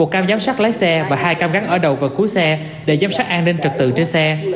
một cam giám sát lái xe và hai cam gắn ở đầu và cuối xe để giám sát an ninh trật tự trên xe